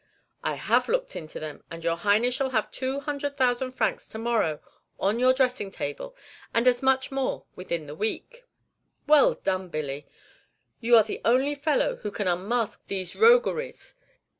"I have looked into them, and your Highness shall have two hundred thousand francs to morrow on your dressing table, and as much more within the week." "Well done, Billy! you are the only fellow who can unmask these rogueries.